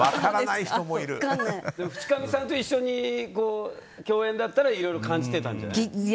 淵上さんと一緒に共演だったらいろいろ感じてたんじゃない？